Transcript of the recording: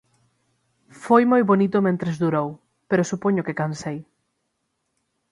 Foi moi bonito mentres durou, pero supoño que cansei.